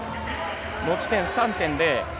持ち点３．０。